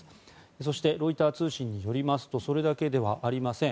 そしてロイター通信によりますとそれだけではありません。